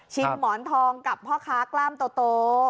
หมอนทองกับพ่อค้ากล้ามโต